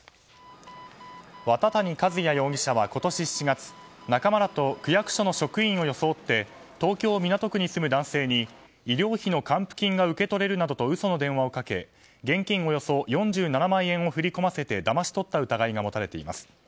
綿谷一哉容疑者は今年７月仲間らと区役所の職員を装って東京・港区に住む男性医療費の還付金が受け取れるなどと嘘の電話をかけ現金およそ４７万円を振り込ませてだまし取った疑いが持たれています。